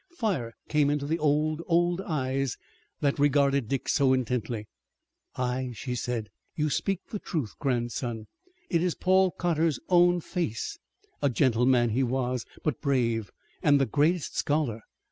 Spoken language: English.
Fire came into the old, old eyes that regarded Dick so intently. "Aye," she said, "you speak the truth, grandson. It is Paul Cotter's own face. A gentle man he was, but brave, and the greatest scholar.